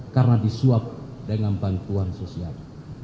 karena disuap dengan bantuan sosial